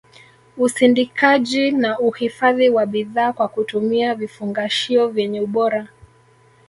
usindikaji na uhifadhi wa bidhaa kwa kutumia vifungashio vyenye ubora